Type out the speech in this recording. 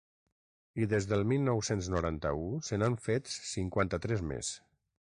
I des del mil nou-cents noranta-u se n’han fets cinquanta-tres més.